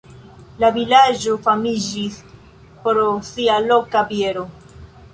La vilaĝo famiĝis pro sia loka biero.